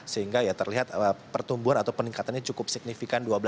sehingga ya terlihat pertumbuhan atau peningkatannya cukup signifikan